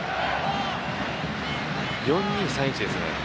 ４−２−３−１ですね。